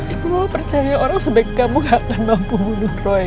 aku mau percaya orang sebagai kamu gak akan mampu bunuh roy